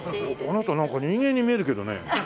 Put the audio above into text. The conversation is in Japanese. あなたなんか人間に見えるけどね。